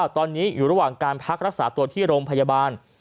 ตอนนี้อยู่ระหว่างการพักรักษาตัวที่โรงพยาบาล